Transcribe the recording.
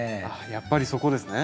やっぱりそこですね？